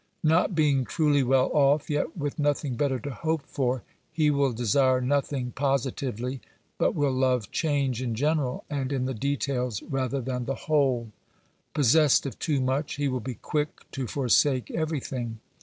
Not being truly well off, yet with nothing better to hope for, he will desire nothing posi tively, but will love change in general and in the details rather than the whole. Possessed of too much, he will be quick to forsake everything.